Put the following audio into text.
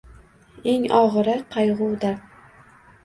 Eng og‘iri qayg‘u-dard.